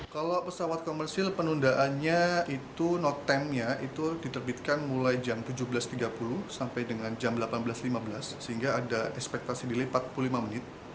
kalau pesawat komersil penundaannya itu notemnya itu diterbitkan mulai jam tujuh belas tiga puluh sampai dengan jam delapan belas lima belas sehingga ada ekspektasi delay empat puluh lima menit